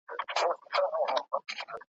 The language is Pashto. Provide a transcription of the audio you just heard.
په خپل حسن وه مغروره خانتما وه `